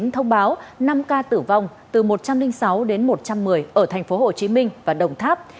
thông báo năm ca tử vong từ một trăm linh sáu đến một trăm một mươi ở thành phố hồ chí minh và đồng tháp